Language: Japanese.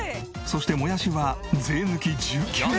そしてもやしは税抜き１９円。